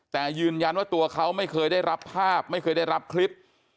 แต่ยืนยันว่าตัวเขาไม่เคยได้รับภาพไม่เคยได้รับคลิป